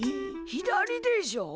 左でしょう？